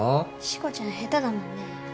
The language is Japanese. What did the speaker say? しこちゃん下手だもんね。